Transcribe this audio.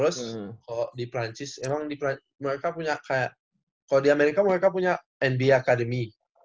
terus kalau di perancis mereka punya kayak kalau di amerika mereka punya nba academy